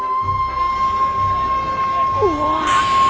うわ。